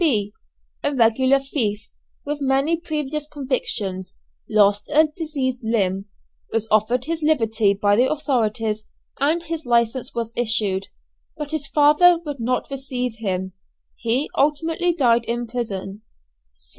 B. A regular thief, with many previous convictions. Lost a diseased limb. Was offered his liberty by the authorities, and his license was issued, but his father would not receive him. He ultimately died in prison.